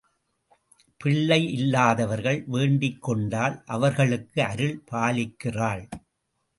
பிள்ளை இல்லாதவர்கள் வேண்டிக் கொண்டால், அவர்களுக்கு அருள் பாலிக்கிறாள்.